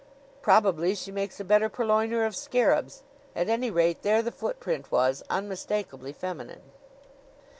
Probably she makes a better purloiner of scarabs. At any rate, there the footprint was, unmistakably feminine.